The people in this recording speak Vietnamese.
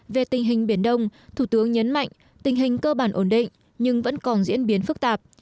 về tình hình biển đông thủ tướng nhấn mạnh tình hình cơ bản ổn định nhưng vẫn còn diễn biến phức tạp